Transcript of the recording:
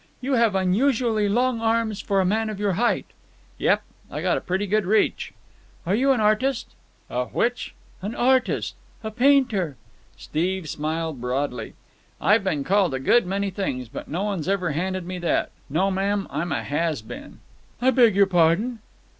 You have unusually long arms for a man of your height." "Yep. I got a pretty good reach." "Are you an artist?" "A which?" "An artist. A painter." Steve smiled broadly. "I've been called a good many things, but no one's ever handed me that. No, ma'am, I'm a has been." "I beg your pardon."